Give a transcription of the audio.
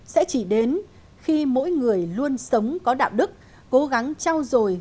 sẽ chỉ đến khi mỗi người luôn sống có đạo đức cố gắng trao dồi